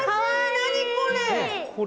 何これ！